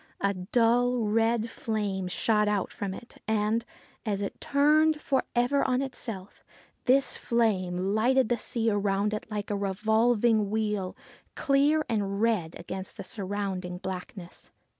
A dull, red flame shot out from it, and, as it turned for ever on itself, this flame lighted the sea around like a revolving wheel, clear and red against the surrounding blackness.